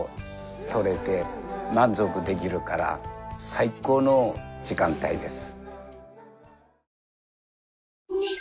最高の時間帯です。